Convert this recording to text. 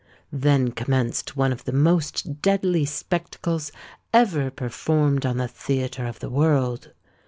Then commenced one of the most deadly spectacles ever performed on the theatre of the world.